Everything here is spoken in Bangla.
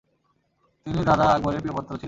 তিনি দাদা আকবরের প্রিয়পাত্র ছিলেন।